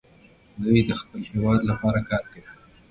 دوی د خپل هېواد لپاره کار کوي.